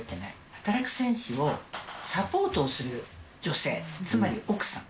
働く戦士をサポートする女性、つまり奥さん。